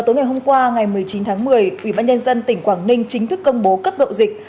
ngày hôm qua ngày một mươi chín tháng một mươi ủy ban nhân dân tỉnh quảng ninh chính thức công bố cấp độ dịch